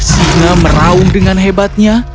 singa meraung dengan hebatnya